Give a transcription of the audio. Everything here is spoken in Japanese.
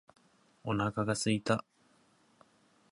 お腹が空いた